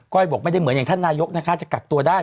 บอกไม่ได้เหมือนอย่างท่านนายกนะคะจะกักตัวได้